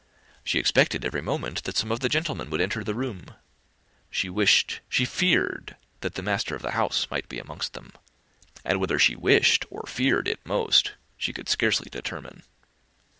She expected every moment that some of the gentlemen would enter the room: she wished, she feared, that the master of the house might be amongst them; and whether she wished or feared it most, she could scarcely determine.